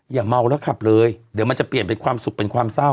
อย่าเมาแล้วขับเลยเดี๋ยวมันจะเปลี่ยนเป็นความสุขเป็นความเศร้า